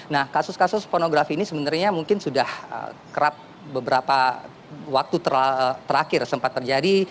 nah kasus kasus pornografi ini sebenarnya mungkin sudah kerap beberapa waktu terakhir sempat terjadi